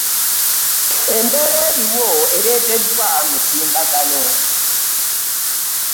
Embeera eriwo eleeteddwa mitimbagano.